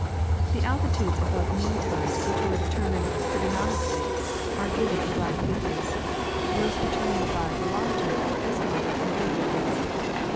The altitudes above mean tide which were deter mined trigonometrically are given in black figures ; those deter mined by barometer or estimated, in blue figures.